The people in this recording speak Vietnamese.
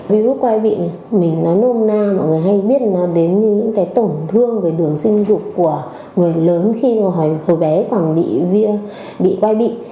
virus quay bị mình nói nôn na mọi người hay biết nó đến những tổn thương về đường sinh dục của người lớn khi hồi bé còn bị quay bị